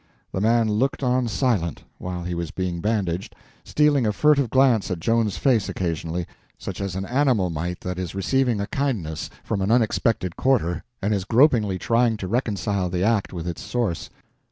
The man looked on silent, while he was being bandaged, stealing a furtive glance at Joan's face occasionally, such as an animal might that is receiving a kindness form an unexpected quarter and is gropingly trying to reconcile the act with its source.